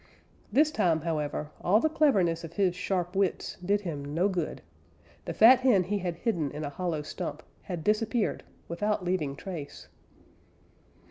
This time, however, all the cleverness of his sharp wits did him no good. The fat hen he had hidden in a hollow stump had disappeared without leaving trace.